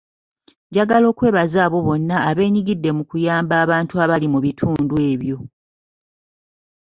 Njagala okwebaza abo bonna ebenyigidde mu kuyamba abantu abali mu bitundu ebyo.